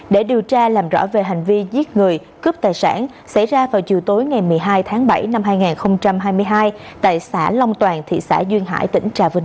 để điều tra làm rõ về hành vi giết người cướp tài sản xảy ra vào chiều tối ngày một mươi hai tháng bảy năm hai nghìn hai mươi hai tại xã long toàn thị xã duyên hải tỉnh trà vinh